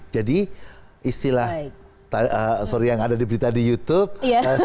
jadi istilah yang ada di youtube